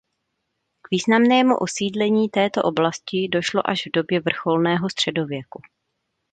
K významnému osídlení této oblasti došlo až v době vrcholného středověku.